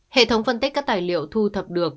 hệ thống phân tích các tài liệu thu thập được